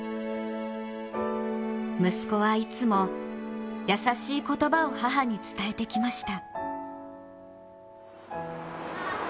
息子はいつも優しい言葉を母に伝えてきました。